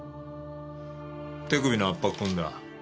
手首の圧迫痕だ。